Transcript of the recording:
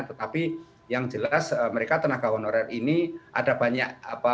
tetapi yang jelas mereka tenaga honorer ini ada banyak